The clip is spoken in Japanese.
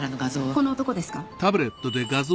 この男です。